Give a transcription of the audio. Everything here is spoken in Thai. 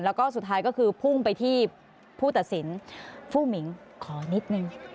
แล้วก็สุดท้ายก็คือพุ่งไปที่ผู้ตัดสินผู้หมิงขอนิดนึง